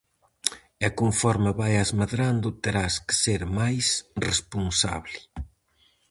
E conforme vaias medrando terás que ser máis responsable.